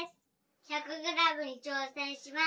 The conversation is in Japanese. １００グラムにちょうせんします。